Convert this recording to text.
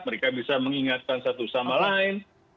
mereka bisa mengingatkan satu sama lain